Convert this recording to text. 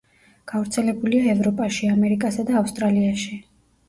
გავრცელებულია ევროპაში, ამერიკასა და ავსტრალიაში.